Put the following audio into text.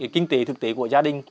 kinh tế thực tế của gia đình